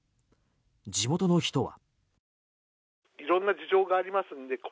地元の人は。